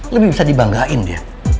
lebih bisa dibanggain dia